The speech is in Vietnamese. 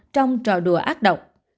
trong trò đùa ác độc